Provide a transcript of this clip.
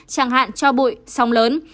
chẳng hạn cho bụi sóng lớn